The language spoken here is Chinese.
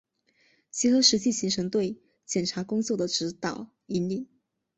结合实际形成对检察工作的指导、引领